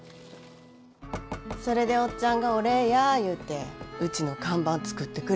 それでおっちゃんがお礼や言うてうちの看板作ってくれたんや。